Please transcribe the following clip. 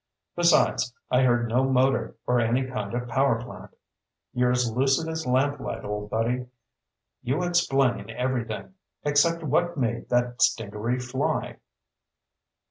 Besides, I heard no motor or any kind of power plant." "You're as lucid as lamplight, ol' buddy. You explain everything except what made that stingaree fly."